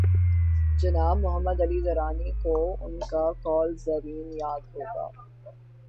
جناب محمد علی درانی کوان کا قول زریں یاد ہو گا۔